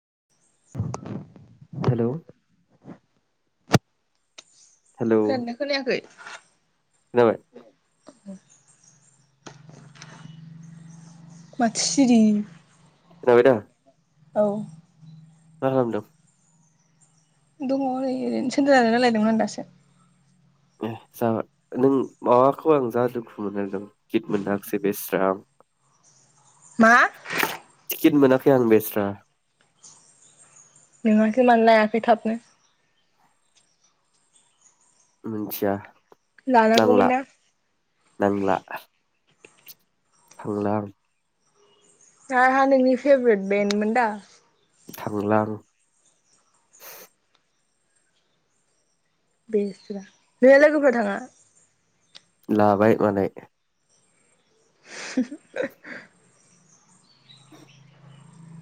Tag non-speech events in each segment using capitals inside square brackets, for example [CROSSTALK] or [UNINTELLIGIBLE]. [INAUDIBLE] Hello hello खोनादों ना खोनायाखै? खोनाबाय? [INAUDIBLE] माथो सिरि जाबायदा? औ मा खालामदों? दङ ओरै ओरैनोसो रायलायदोंमोन आं दासो। ए जाबा नों माबाखौ आं जा दुखु मोननानै दं कित मोनाखिसै बेस्रा आं मा टिकेट मोनाखै आं बेस्रा नोङासो मानो लायाखै थाबनो मोनथिया लानांगौमोन ना नांला थांला आं जाहा नोंनि फेभरेट बेन्डमोन दा? थांलां बेसरा नोंहा लोगोफोरा थाङा लाबाय मालाय [UNINTELLIGIBLE]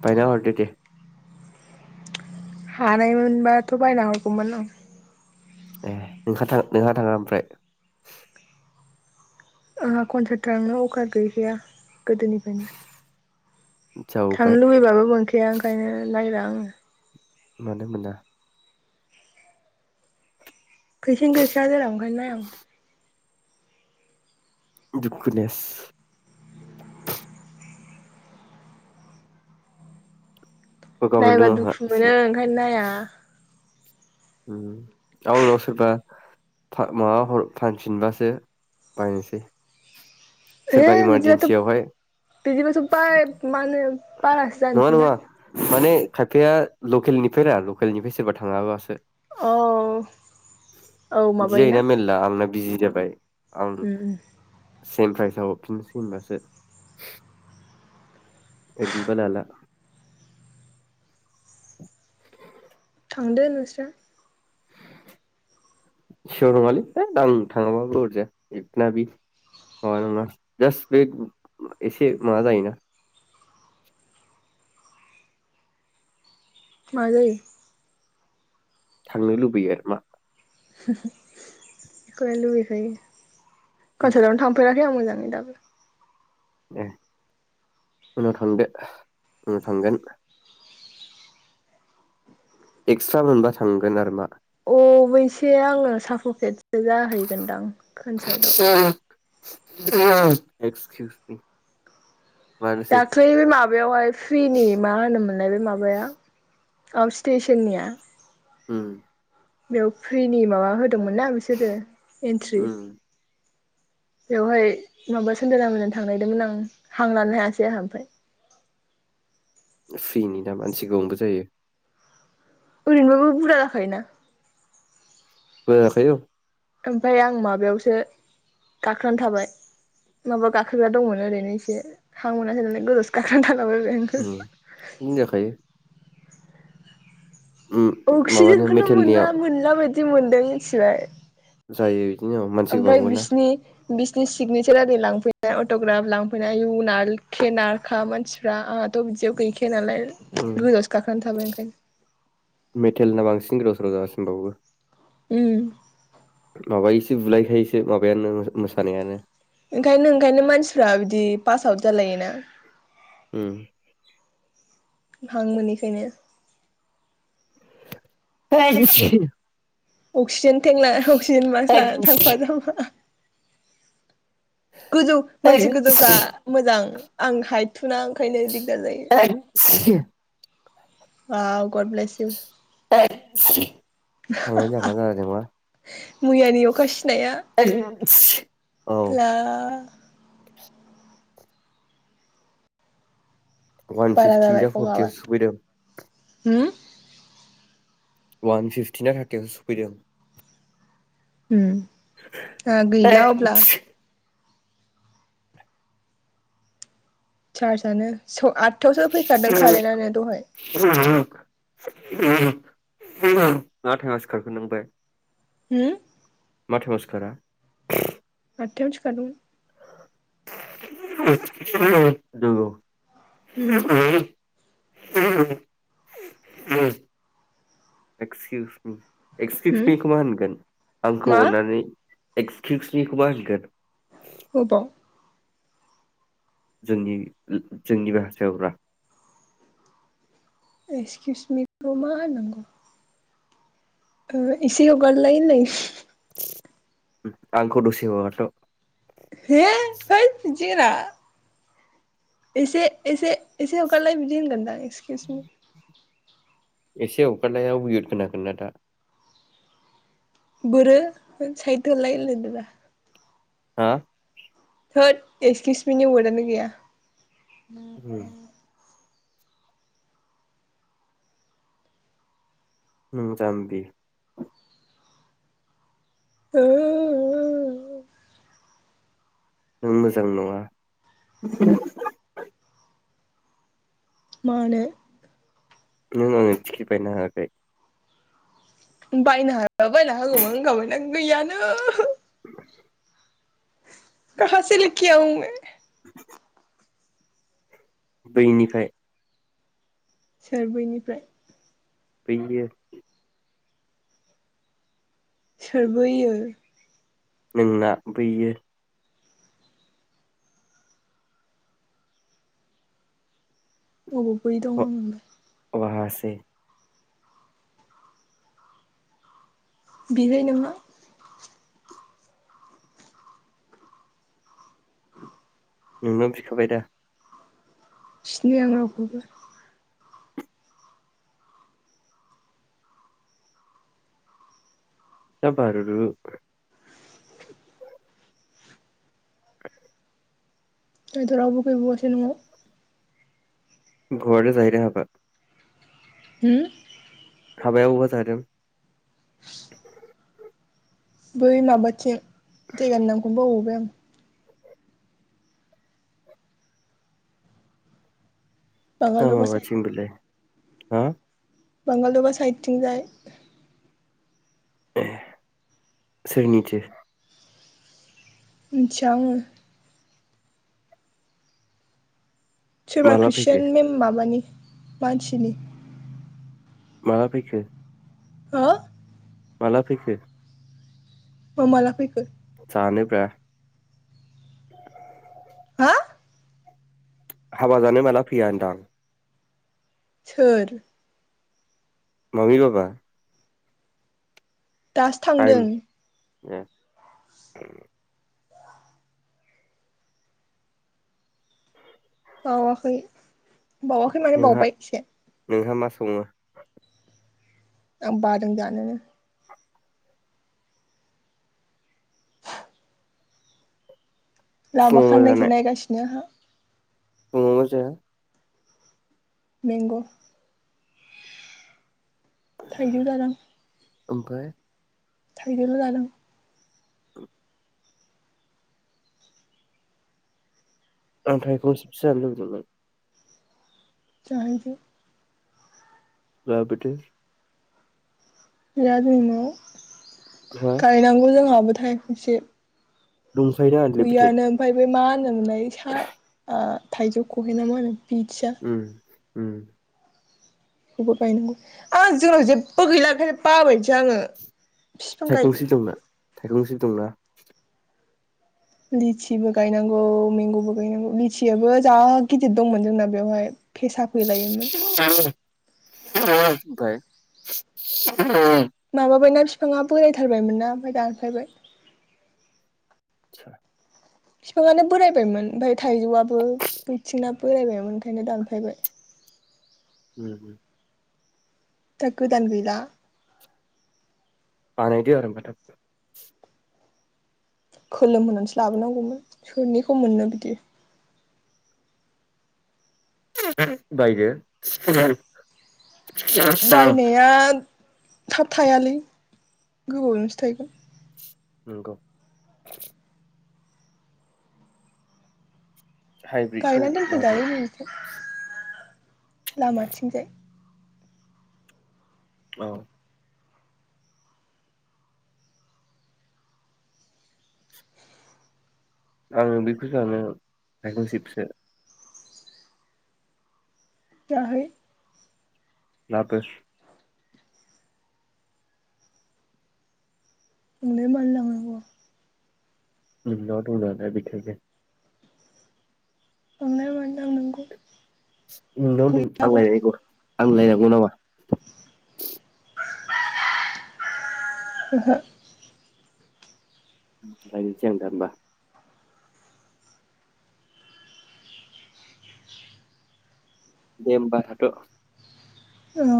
बायना हरदो दे हानायमोनबाथ बायना हरगौमोन ए नोंहा थां नोंहा थाङा ओमफ्राय आंहा कनथ्राक्ट थांनो अकार गैखाया गोदोनिफ्रायनो जावबाय थांनो लुबैबाबो मोनखाया ओंखायनो नागिरा आङो मोनो मोना फैसायानो गैखाया जेराव ओंखायनो नायां दुखुनेस [UNINTELLIGIBLE] गगा मोनदों नायबा आंहा दुखु मोनो एसे ओंखायनो नाया ओम गावनाव सोरबा फा माबा हर फानफिनबासो बायनोसै सोरबा ओहो बिदिबाथ इमारजेन्सियावहाय बिदिबाथ' बाय माहोनो बारासो नङा जानसै नङा ना माने खायफाया लकेलनिफ्राय रा लकेलनिफ्राय सोरबा थाङाबासो औ औ बिदि जायोना माबायोना मेरला आंना बिजि जाबाय आं उम उम सेम प्राइस हरफिननोसै होनबासो ओरैनोबा लाला थांदो नोंस्रा सियर नङालै आं थाङाबाबो अरजाया माबा नङा जास्ट बे एसे माबा जायोना मा जायो थांनो लुबैयो आरो मा [UNINTELLIGIBLE] बेखौलाय लुगैखायो कालसारआवनो थांफेराखै आं मोजां ओं दाबो ए उनाव थांदो उनाव थांगोन एक्सट्रा मोनबा थांगोन आरो मा अे-बेसे आङो साफु फेद जाहैगोनदां कनसार्टआव एक्सकिउस मि मानोसै दाख्लै माबा बेयावहाय फ्रिनि मा होनोमोनलाय बे माबाया औ स्टेसननिया उम बेयाव फ्रिनि माबा हो होदोंमोन ना बिसोरो एन्ट्रि उम बेवहाय माबा सनदरामोनजों थांनायदोंमोन आं हां लानो हायासै आंहा ओमफफ्राय फ्रिनि दा मानसि गाोबांबो जायो ओरैनोबाबो बुरजा जाखायोना बुरजा जाखायो औ ओमफ्राय आं माबायावसो गाखोनानै थाबाय माबा गाखोग्रा दंमोन ओरैनो एसे हां मोनासै नालाय गोजावसो गाखोनानै थाबाय उम बिदिनो जाखायो उम माबानो अक्सिजेनखौनो मेटेलनिया मोनला मोनला बायदि दि मोन्दों मिथिबाय जायो बिदिनो औ मानसि गोबांमोन ना बिसनि सिगनेसार आरि लांफैनाय अटग्राफ लांफैनाय आयु नारखे नारखा मानसिफ्रा आंहाथ बिदियाव गैखाया नालाय उम गोजौ आवसो गाखोना थाबाय ओंखायनो मेथेलना बांसिन गोदावसोराव जागासिनो उम होनबाबो माबायस बुलायखायोसो माबायानो मोसानायानो फोरा बिदि पास आउट जालायोना ओम हां मोनिखायनो [UNINTELLIGIBLE] अक्सिजेन थें लाना अक्सिजन मासे लानानै थांफा जामबा गोजौ मानसि गोजौफ्रा मोजां आंहायथु थुना ओंखायनो दिगदार जायो [UNINTELLIGIBLE] औ [UNINTELLIGIBLE] थांनायानो जागोनना जानायनंला मैयानि [UNINTELLIGIBLE] [UNINTELLIGIBLE] हेल वान फिफ्टि ना फरटिआवसो सफैदों हय वान फिफटिना थारथियावसो सफैदों उम गैला अब्ला सारसआनो स आदथायावसो फैखादों कारेन्टनो दहाय मा टाइमाव सिखारखो नों ओमफाय होम मा टाइमाव सिखारा आथियावनो सुखादोंमोन नोंगौ उम [UNINTELLIGIBLE] एक्साइस किउस मि एक्सकिउस होम मिखौ मा होनगोन आंखौ मा अननानै एक्सकिउसमिखौ मा होनगोन अबाव जोंनि जोंनि भाषायावब्रा एक्साइस किउस मिखौ मा होननांगौ ओ इसे हगारलाय होननाय आंखौ दसे हगारथ हे है देना एसे एसे एसे हगारलाय बिदि होनगोन दां इसक्सइ किउस मि एसे हगारनायाव उइयेद खोनागोनना दा बोरो साइद होलाय होनलायदोब्रा हा थोद एस किसमिनि वदआनो गैया [INAUDIBLE] नों जाम्बि हो हो नों मोजां नङा मानो नों आनो टिकिट बायना होआखै बायनो हाबा बायना होगौमोन होनखाबायना गैयानो [INAUDIBLE] खाहासे लिखे आवो मे [INAUDIBLE] बैनिफ्राय सोर बैनिफ्राय बैयो सोर बैयो नोंना बैयो [UNINTELLIGIBLE] उहासे बिहै नोंहा नोंनाव बिखाबाय दा सिनाया आं रावखौबो जा बारुरु [INAUDIBLE] दिनैथ' रावबो गैबौआसो न'आव [UNINTELLIGIBLE] हो हाबायाव अमा जादों बै माबाथिं [UNINTELLIGIBLE] बावबोबाय आं मा बाङालदबा साइद माबाथिं बेलाय हा बांगालदबा साइदथिं जाय ए सोरनिथो मोनथिया आङो सोरबा माला फैखो खृस्टान मेम माबानि मानसिनि माला फैखो? हो माला फैखो? अ माला फैखो जानो ब्रा हा हाबा जानो माला फैया होनदां? सोर मामि बाबा दासो थांदों ओ बावाखै बावाखै माने नोंहा बावबाय एसे नोंहा मा सङो आ बादों जानोनो लामा फुङाव खान्दायसो नायगासिनो आंहा अमाबा जाया मेंंग' थाइजौ जादों ओमफाय थायजौल' जादों [UNINTELLIGIBLE] जाहैदो लाबोदो। जादोंनो हा गायनांगौ जोंहा खावसे दंखायोना आनलिमिटेड। मा होनोमोनलाय बेसा ओ थाइजौ खहेना माहोनो मोनथिया उम उम बेबो गायनांगौ ओं जोंनाव जेबबो गैला ओंखायनो बाबायसो आङो बिफां गायदों थाइखंस्रि दंना थाइखंस्रि दंना लिचिबो गायनांगौ मैगंबो गायनांगौ लिचियाबो जा गिदिर दंमोन जोंना बेवहाय फेसा फैलायोमोन [UNINTELLIGIBLE] ओमफाय [UNINTELLIGIBLE] माबाबायना फिफाङा बोरायथारबायमोन ना ओमफफाय दानफायबाय [UNINTELLIGIBLE] बिफाङानो बोरायबायमोन ओमफफाय थाइजौआबो बैथिंआ बोरायबायमोन ओंखायनो दानफायबाय हम दा गोदान गैला बानायदो खोलोम होनानैसो लाबोनांगौमोन सोरनिखौ मोननो बिदि बायदो बायनाया थाब थायालै गोबावजोंसो थायगोन। नंगौ हाइब्रिदखौ गायना लादो दोनफैजायो नैबिथिं लामाथिंजाय औ आङो बेखौसो जानो थाइखंस्रिखौसो जाहै लाबो नोंनो मानो लांनांगौ नोंनाव दं नालाय बेखायनो आंलाय मानो लांनांगौ नोंनाव दं आं गैयाबा लायनांगौ आंलायनांगौ नामा ओहो [UNINTELLIGIBLE] जों दानबा दे होमब्ला थाथ अ